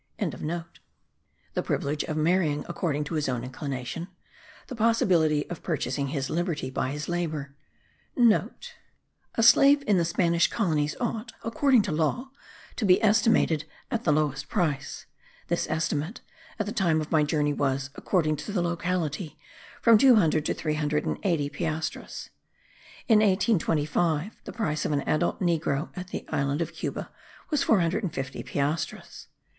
]); the privilege of marrying according to his own inclination; the possibility of purchasing his liberty* by his labour (* A slave in the Spanish colonies ought, according to law, to be estimated at the lowest price; this estimate, at the time of my journey, was, according to the locality, from 200 to 380 piastres. In 1825 the price of an adult negro at the island of Cuba, was 450 piastres.